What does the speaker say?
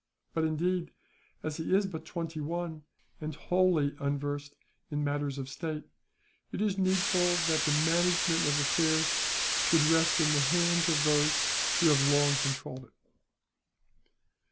But indeed, as he is but twenty one, and wholly unversed in matters of state, it is needful that the management of affairs should rest in the hands of those who have long controlled it.